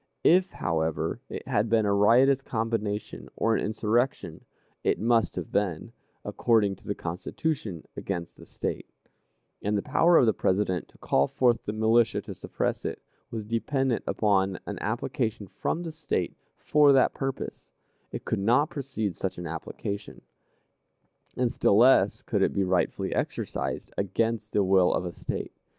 If, however, it had been a riotous combination or an insurrection, it must have been, according to the Constitution, against the State; and the power of the President to call forth the militia to suppress it, was dependent upon an application from the State for that purpose; it could not precede such application, and still less could it be rightfully exercised against the will of a State.